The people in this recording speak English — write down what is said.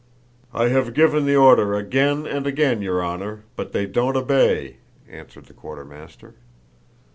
"I have given the order again and again, your honor, but they don't obey," answered the quartermaster.